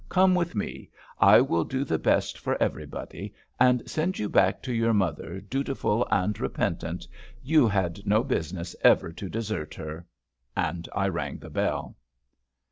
come with me; I will do the best for everybody, and send you back to your mother dutiful and repentant you had no business ever to desert her;" and I rang the bell.